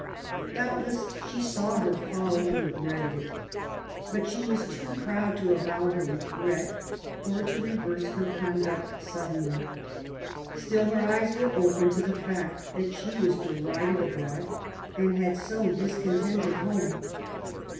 Doubtless she saw her folly and regretted it ; but she was too proud to avow her regret, or to reverse her conduct suddenly. Still her eyes were open to the fact that she was derided abroad and had sown discontent at home.